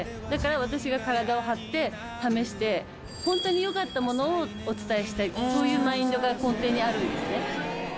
だから私が体を張って試してホントに良かったものをお伝えしたいそういうマインドが根底にあるんですね。